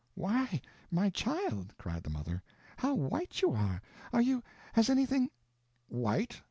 "Why, my child," cried the mother, "how white you are! Are you—has anything—" "White?"